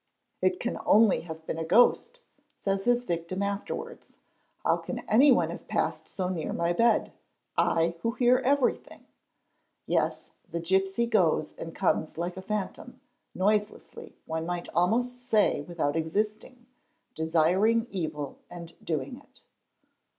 "it can only have been a ghost" says his victim afterwards; '' how can _ anyone have passed so near my bed, I, who hear everything?" Yes, the _ gipsy goes and comes like a phantom, noiselessly, one might almost say E W ithout existing, desiring evil and doing it.